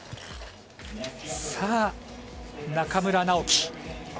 さあ、中村直幹。